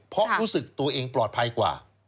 เพราะรู้สึกตัวเองปลอดภัยกว่า